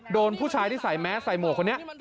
ผู้ชายที่ใส่แมสใส่หมวกคนนี้